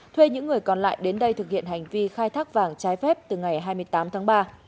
thuê những người còn lại đến đây thực hiện hành vi khai thác vàng trái phép từ ngày hai mươi tám tháng ba